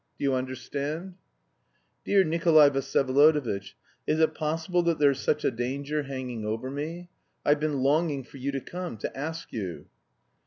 Do you understand?" "Dear Nikolay Vsyevolodovitch, is it possible that there's such a danger hanging over me? I've been longing for you to come, to ask you."